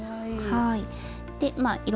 はい。